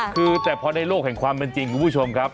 คือแต่พอในโลกแห่งความเป็นจริงคุณผู้ชมครับ